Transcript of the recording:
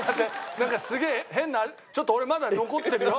なんかすげえ変なちょっと俺まだ残ってるよ。